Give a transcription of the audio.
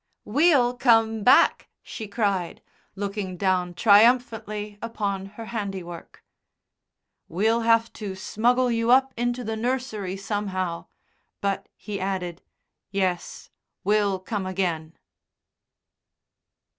"We'll come back," she cried, looking down triumphantly upon her handiwork. "We'll have to smuggle you up into the nursery somehow." But he added, "Yes, we'll come again."